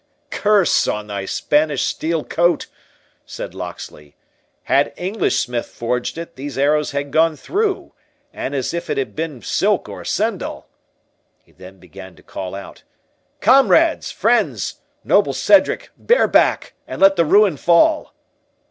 "Curse on thy Spanish steel coat!" said Locksley, "had English smith forged it, these arrows had gone through, an as if it had been silk or sendal." He then began to call out, "Comrades! friends! noble Cedric! bear back, and let the ruin fall."